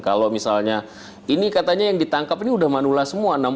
kalau misalnya ini katanya yang ditangkap ini udah manula semua